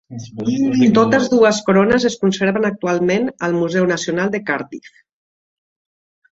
Totes dues corones es conserven actualment al Museu Nacional de Cardiff.